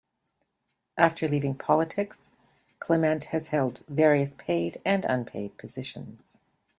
After leaving politics, Clement has held various paid and unpaid positions.